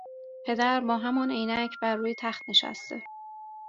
پدر با همان عینک بروی تخت نشسته